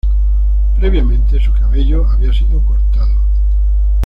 Previamente su cabello había sido cortado.